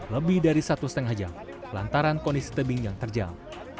lebih dari satu setengah jam lantaran kondisi tebing yang terjal